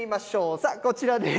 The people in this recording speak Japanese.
さあ、こちらです。